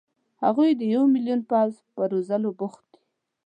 هغوی د یو ملیون پوځ په روزلو بوخت دي.